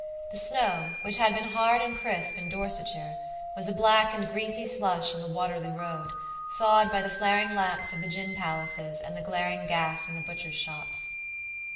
The snow, which had been hard and crisp in Dorsetshire, was a black and greasy slush in the Waterloo Road, thawed by the flaring lamps of the gin palaces and the glaring gas in the butchers' shops.